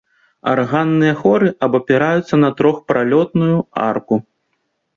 Арганныя хоры абапіраюцца на трохпралётную арку.